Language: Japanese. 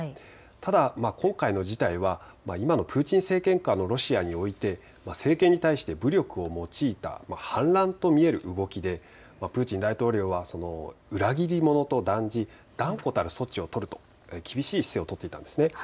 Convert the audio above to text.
ただ今回の事態は今のプーチン政権下のロシアにおいて、政権に対して武力を用いた反乱と見える動きでプーチン大統領は裏切り者と断じ、断固たる措置を取ると厳しい姿勢を取っていたんですね。